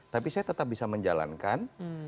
tapi saya tetap bisa menjalankan